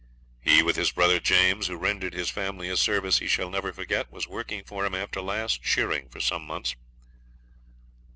'He, with his brother James, who rendered his family a service he shall never forget, was working for him, after last shearing, for some months.'